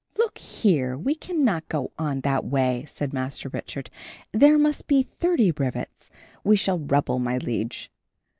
"Look here, we cannot go on that way," said Master Richard. "There must be thirty rivets. We shall rebel, my liege."